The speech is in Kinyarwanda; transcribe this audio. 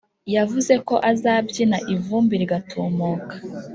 yavuze ko azabyina ivumbi rigatumuka